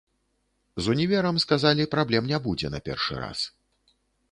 З універам, сказалі, праблем не будзе на першы раз.